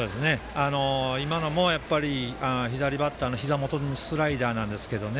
今のも左バッターのひざ元へのスライダーなんですけどね。